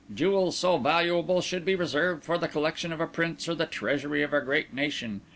"Jewels so valuable should be reserved for the collection of a Prince or the treasury of a great nation.